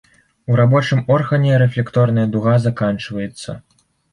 У рабочым органе рэфлекторная дуга заканчваецца.